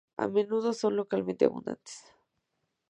A menudo son localmente abundantes.